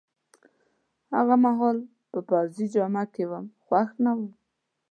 هغه مهال په پوځي جامه کي وم، خوښ نه وم.